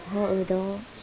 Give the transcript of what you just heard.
họ ở đó